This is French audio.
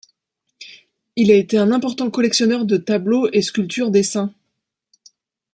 Il a été un important collectionneur de tableaux et sculptures des s.